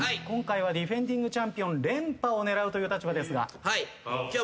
今回はディフェンディングチャンピオン連覇を狙うという立場ですが。